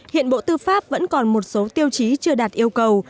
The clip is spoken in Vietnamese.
hiện bộ tư pháp vẫn còn một số tiêu chí chưa đạt yêu cầu